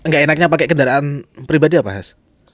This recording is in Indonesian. gak enaknya pakai kendaraan pribadi apa has